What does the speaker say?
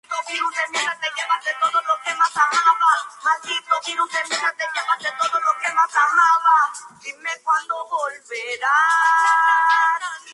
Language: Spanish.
Está situada a medio camino entre las islas de Naxos y Santorini.